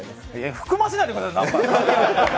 含ませないでください。